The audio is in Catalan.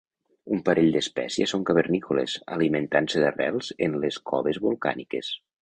Un parell d'espècies són cavernícoles, alimentant-se d'arrels en les coves volcàniques.